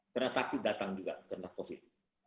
karena takdir datang juga karena covid